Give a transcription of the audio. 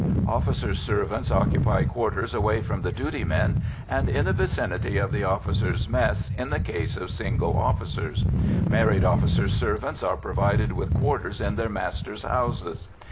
Officers' servants occupy quarters away from the duty men, and in the vicinity of the officers' mess in the case of single officers; married officers' servants are provided with quarters in their masters' houses.